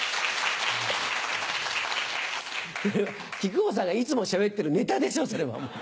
木久扇さんがいつもしゃべってるネタでしょうそれはもう。